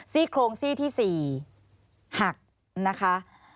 โครงซี่ที่๔หักนะคะ